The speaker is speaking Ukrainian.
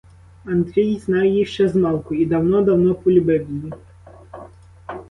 Андрій знав її ще змалку і давно, давно полюбив її.